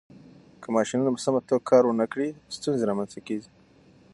که ماشينونه په سمه توګه نه کار کوي، ستونزې رامنځته کېږي.